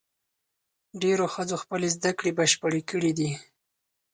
ډېرو ښځو خپلې زدهکړې بشپړې کړې دي.